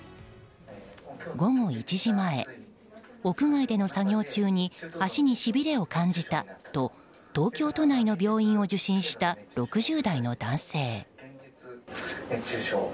午後１時前、屋外での作業中に足にしびれを感じたと東京都内の病院を受診した６０代の男性。